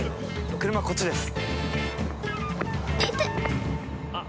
車、こっちです。